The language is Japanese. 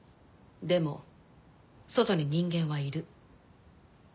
でも外に人間はいる。